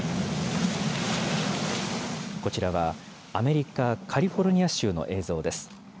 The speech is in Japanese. こちらはアメリカ・カリフォルニア州の映像です。